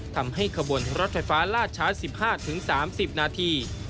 ทำให้ขบวนรถไฟฟ้าลาดช้า๑๕ถึง๓๐นาที